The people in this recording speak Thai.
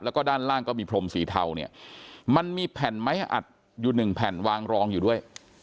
แล้วก็ด้านล่างก็มีพรมสีเทาเนี่ยมันมีแผ่นไม้อัดอยู่หนึ่งแผ่นวางรองอยู่ด้วย